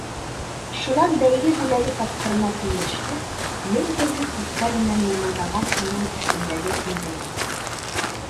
Шунан бәйге бүләге тапҡырына тиңләшкәс, мең төрлө төҫтәр менән йымылдаған уның өҫтөндәге кулдәге.